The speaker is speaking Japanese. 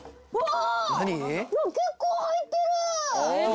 あっ結構入ってる！